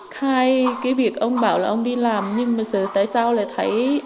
khai cái việc ông bảo là ông đi làm nhưng bây giờ tại sao lại thấy